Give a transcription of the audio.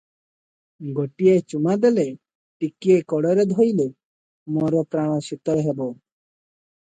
ଗୋଟିଏ ଚୁମା ଦେଲେ, ଟିକିଏ କୋଡ଼ରେ ଧଇଲେ ମୋର ପ୍ରାଣ ଶୀତଳ ହେବ ।"